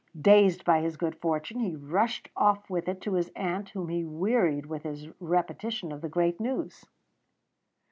Dazed by his good fortune, he rushed off with it to his aunt, whom he wearied with his repetition of the great news.